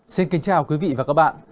xin kính chào quý vị và các bạn